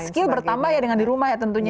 dan skill bertambah ya dengan di rumah ya tentunya